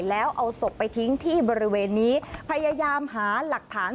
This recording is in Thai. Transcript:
แล้วเอาศพไปทิ้งที่บริเวณนี้พยายามหาหลักฐาน